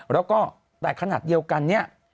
แล้วก็แต่ขนาดเดียวกันเนี่ย